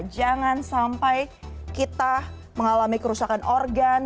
jangan sampai kita mengalami kerusakan organ